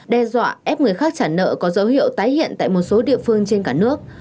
đe dọa ép người khác trả nợ có dấu hiệu tái hiện tại một số địa phương trên cả nước